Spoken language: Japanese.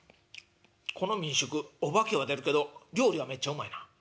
この民宿お化けは出るけど料理はめっちゃうまいな。